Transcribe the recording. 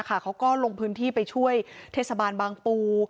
เขาก็ลงพื้นที่ไปช่วยเทศบาลบางปู